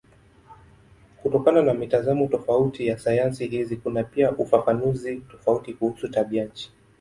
Kutokana na mitazamo tofauti ya sayansi hizi kuna pia ufafanuzi tofauti kuhusu tabianchi.